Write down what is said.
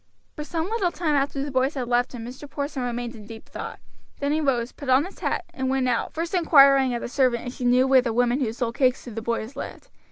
For some little time after the boys had left him Mr. Porson remained in deep thought; then he rose, put on his hat, and went out, first inquiring of the servant if she knew where the woman who sold cakes to the boys lived.